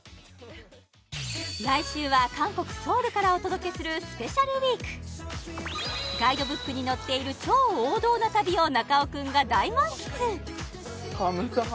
来週は韓国ソウルからお届けするスペシャルウィークガイドブックに載っている超王道な旅を中尾君が大満喫！